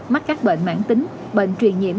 mắc các bệnh mãn tính bệnh truyền nhiễm